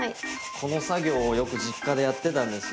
この作業をよく実家でやってたんですよ。